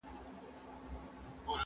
زه هره ورځ د کتابتون لپاره کار کوم!